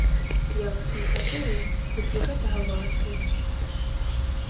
Я вас не катую, хоць вы гэтага варты.